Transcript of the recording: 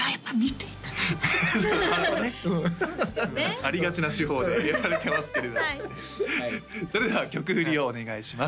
ありがちな手法でやられてますけれどそれでは曲振りをお願いします